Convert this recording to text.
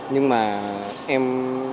nhưng mà em